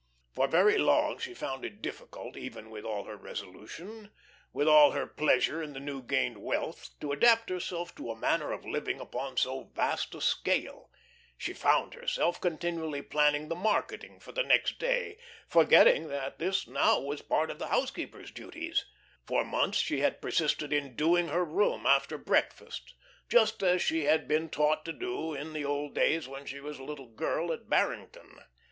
For very long she found it difficult, even with all her resolution, with all her pleasure in her new gained wealth, to adapt herself to a manner of living upon so vast a scale. She found herself continually planning the marketing for the next day, forgetting that this now was part of the housekeeper's duties. For months she persisted in "doing her room" after breakfast, just as she had been taught to do in the old days when she was a little girl at Barrington.